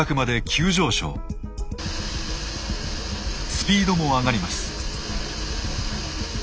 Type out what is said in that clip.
スピードも上がります。